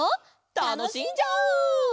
たのしんじゃおう！